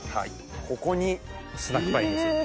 ここにスナックパインです。